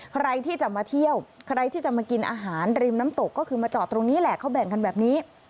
ใครที่จะมาเที่ยวใครที่จะมากินอาหารริมน้ำตกก็คือมาจอดตรงนี้แหละเขาแบ่งกันแบบนี้